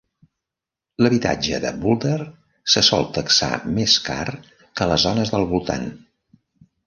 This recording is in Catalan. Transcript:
L'habitatge de Boulder se sol taxar més car que a les zones del voltant.